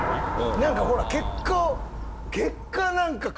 何かほら結果